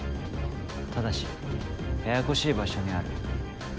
ただしややこしい場所にある。